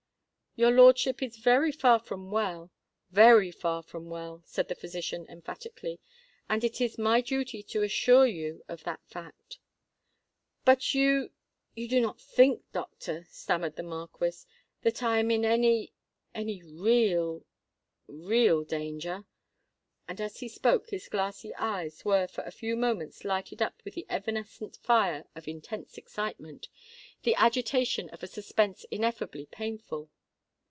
"Your lordship is far from well—very far from well," said the physician, emphatically; "and it is my duty to assure you of that fact." "But you—you do not think, doctor," stammered the Marquis, "that I am in any—any real—real danger?" And as he spoke, his glassy eyes were for a few moments lighted up with the evanescent fire of intense excitement—the agitation of a suspense ineffably painful.